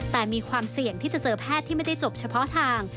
แต่มีความเสี่ยงที่จะเจอแพทย์ที่ไม่ได้จบเฉพาะทาง